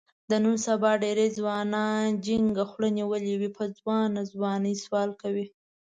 د نن سبا ډېری ځوانانو جینګه خوله نیولې وي، په ځوانه ځوانۍ سوال کوي.